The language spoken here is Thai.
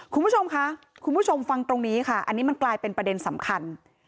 คุณผู้ชมค่ะคุณผู้ชมฟังตรงนี้ค่ะอันนี้มันกลายเป็นประเด็นสำคัญ